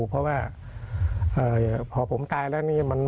เพราะว่าพอผมตายแล้วนี่